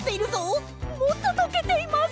もっととけています！